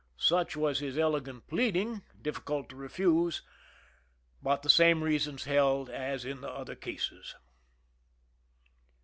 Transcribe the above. Such was his eloquent pleading, difficult / to refuse, but the same reasons held as in the other \ cases.